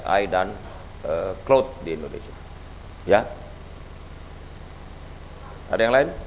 ai dan cloud di indonesia ya ada yang lain